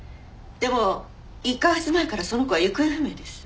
でも１カ月前からその子は行方不明です。